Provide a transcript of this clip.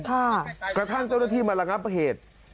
กระทั่งเจ้าหน้าที่มาระงับเหตุ